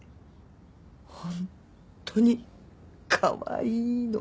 本当にかわいいの。